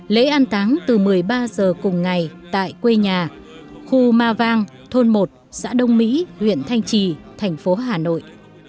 lễ an táng từ một mươi ba h cùng ngày tại quê nhà khu ma vang thôn một xã đông mỹ huyện thanh trì thành phố hà nội